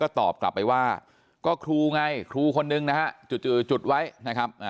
ตอบกลับไปว่าก็ครูไงครูคนนึงนะฮะจุดไว้นะครับ